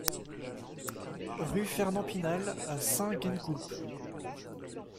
Rue Fernand Pinal à Saint-Gengoulph